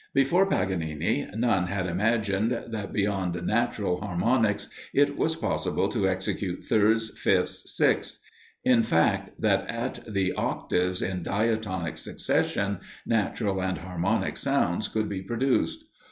Before Paganini, none had imagined that beyond natural harmonics, it was possible to execute thirds, fifths, sixths; in fact, that at the octaves in diatonic succession, natural and harmonic sounds could be produced.